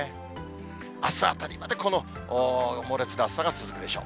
あすあたりまでこの猛烈な暑さが続くでしょう。